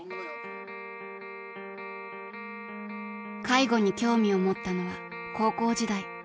［介護に興味を持ったのは高校時代］